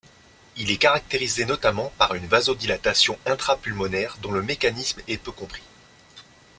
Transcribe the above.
Il est caractérisé notamment par une vasodilatation intra-pulmonaire dont le mécanisme est peu compris.